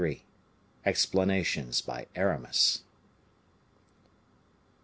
Explanations by Aramis.